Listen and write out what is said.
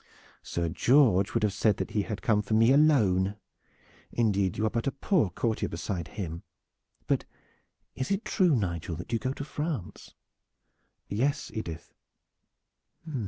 "Sir George would have said that he had come for me alone. Indeed you are but a poor courtier beside him. But is it true, Nigel, that you go to France?" "Yes, Edith."